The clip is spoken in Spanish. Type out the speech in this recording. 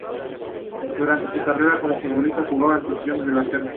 Durante su carrera como futbolista, jugaba en posición de delantero.